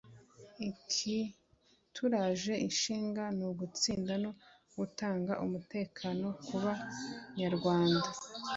ikituraje ishinga n’ugutsinda no gutanga umutekano ku ba nyarwanda